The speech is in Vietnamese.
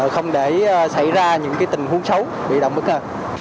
không để xảy ra những tình huống xấu bị động bất ngờ